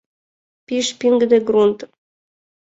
Пиш пиҥгыде грунт.